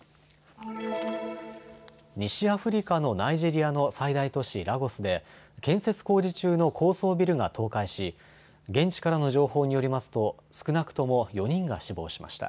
西アフリカのナイジェリアの最大都市ラゴスで建設工事中の高層ビルが倒壊し現地からの情報によりますと少なくとも４人が死亡しました。